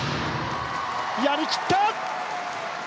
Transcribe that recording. やりきった！